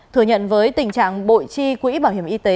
thừa nhận với tình trạng bội chi quỹ bảo hiểm y tế